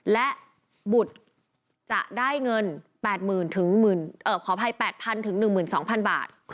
และบุตรจะได้เงิน๘๐๐๐๑๒๐๐๐บาท